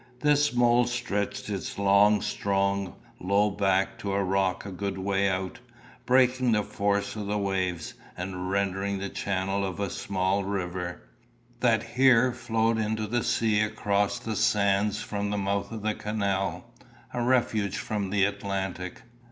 This mole stretched its long strong low back to a rock a good way out, breaking the force of the waves, and rendering the channel of a small river, that here flowed into the sea across the sands from the mouth of the canal, a refuge from the Atlantic.